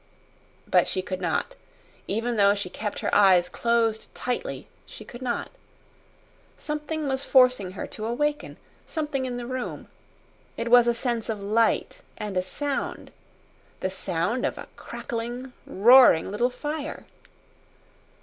But she could not even though she kept her eyes closed tightly, she could not. Something was forcing her to awaken something in the room. It was a sense of light, and a sound the sound of a crackling, roaring little fire.